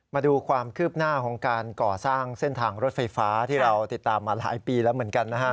มาดูความคืบหน้าของการก่อสร้างเส้นทางรถไฟฟ้าที่เราติดตามมาหลายปีแล้วเหมือนกันนะฮะ